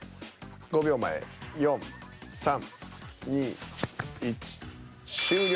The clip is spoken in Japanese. ５秒前４３２１終了。